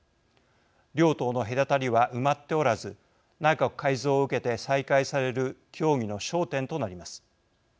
両党の隔たりは埋まっておらず内閣改造を受けて再開される協議の焦点となります。